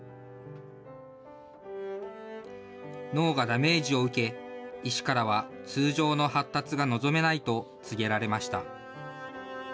脳がダメージを受け、医師からは通常の発達が望めないと告げられました。